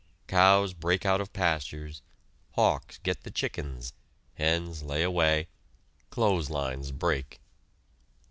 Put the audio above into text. Cows break out of pastures; hawks get the chickens; hens lay away; clothes lines break.